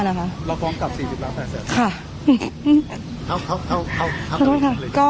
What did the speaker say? เราฟ้องกับ๔๐ล๘๐๐